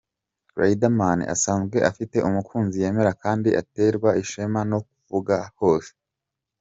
Riderman asanzwe afite umukunzi yemera kandi aterwa ishema no kuvuga hose.